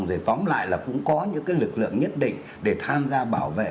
rồi tóm lại là cũng có những cái lực lượng nhất định để tham gia bảo vệ